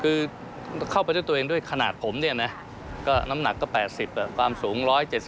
คือเข้าไปด้วยตัวเองด้วยขนาดผมเนี่ยนะก็น้ำหนักก็๘๐ความสูง๑๗๐